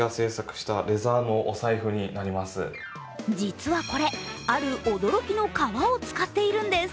実はこれ、ある驚きの皮を使っているんです。